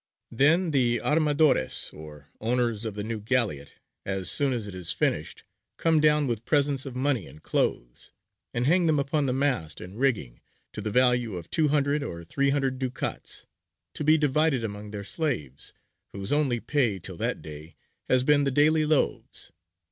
Then the armadores, or owners of the new galleot, as soon as it is finished, come down with presents of money and clothes, and hang them upon the mast and rigging, to the value of two hundred or three hundred ducats, to be divided among their slaves, whose only pay till that day has been the daily loaves.